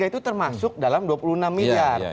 lima tiga itu termasuk dalam dua puluh enam miliar